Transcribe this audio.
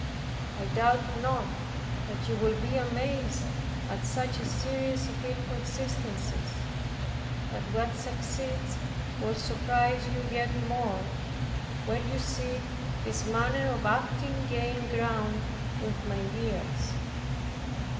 I doubt not that you will be amazed at such a series of inconsistencies; but what succeeds will surprise you yet more, when you see this manner of acting gain ground with my years.